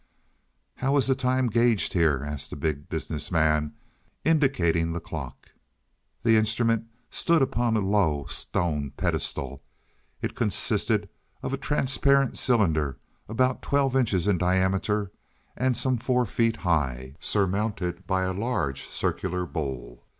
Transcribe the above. "How is the time gauged here?" asked the Big Business Man, indicating the clock. The instrument stood upon a low stone pedestal. It consisted of a transparent cylinder about twelve inches in diameter and some four feet high, surmounted by a large circular bowl.